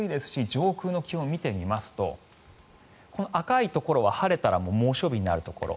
上空の気温を見てみますとこの赤いところは晴れたら猛暑日になるところ。